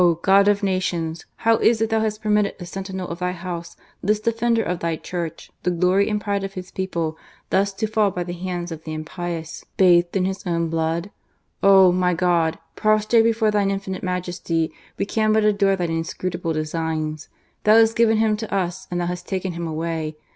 God of nations I How is it Thou hast permitted this sentinel of Thy House, this defender of Thy Church, the glory and pride of his people, thus to fall by the hands of the impious, bathed in his own blood ? O ! my God I prostrate before Thine infinite Majesty, we can but adore Thine inscrutable designs. Thou hast given him to us and Thou hast taken him away.